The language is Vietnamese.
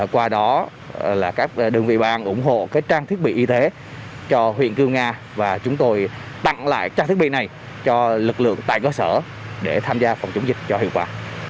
qua đó là các đơn vị bang ủng hộ trang thiết bị y tế cho huyện cư nga và chúng tôi tặng lại trang thiết bị này cho lực lượng tại cơ sở để tham gia phòng chống dịch cho hiệu quả